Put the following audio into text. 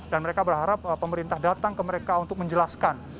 dan mereka berharap pemerintah datang ke mereka untuk menjelaskan